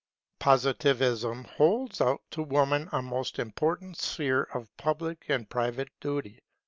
Positivism holds out to woman a most important sphere of public and private duty.